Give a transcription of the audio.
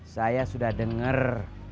saya sudah dengar